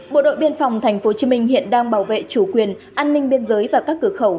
bộ đội biên phòng thành phố hồ chí minh hiện đang bảo vệ chủ quyền an ninh biên giới và các cửa khẩu